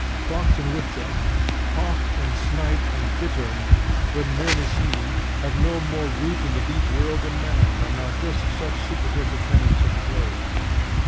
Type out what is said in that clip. Fox and woodchuck, hawk and snipe and bittern, when nearly seen, have no more root in the deep world than man, and are just such superficial tenants of the globe.